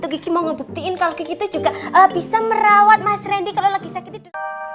kiki mau ngebutiin kalau gitu juga bisa merawat mas reddy kalau lagi sakit itu